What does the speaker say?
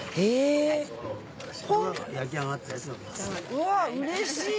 うわっうれしい！